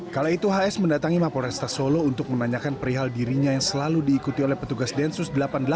kala itu hs mendatangi mapolresta solo untuk menanyakan perihal dirinya yang selalu diikuti oleh petugas densus delapan puluh delapan